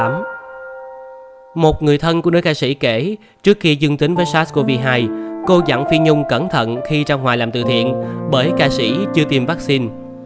một người thân của đứa ca sĩ kể trước khi dương tính với sars cov hai cô dặn phi nhung cẩn thận khi ra ngoài làm từ thiện bởi ca sĩ chưa tiêm vaccine